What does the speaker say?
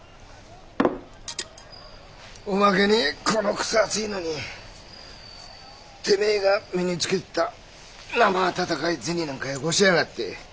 おまけにこのくそ暑いのにてめえが身につけてたなま暖かい銭なんかよこしやがって。